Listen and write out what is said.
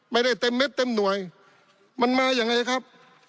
ไม่ได้เต็มเม็ดเต็มหน่วยมันมายังไงครับ